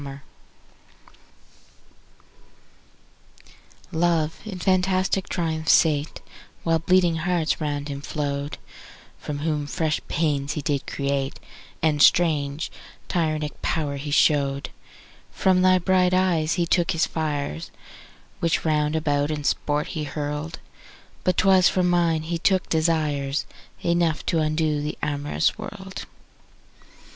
Song LOVE in fantastic triumph sate Whilst bleeding hearts around him flow'd, For whom fresh pains he did create And strange tyrannic power he show'd: From thy bright eyes he took his fires, 5 Which round about in sport he hurl'd; But 'twas from mine he took desires Enough t' undo the amorous world.